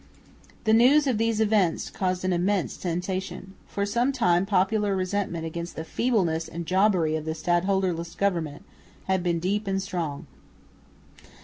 The news of these events caused an immense sensation. For some time popular resentment against the feebleness and jobbery of the stadholderless government had been deep and strong.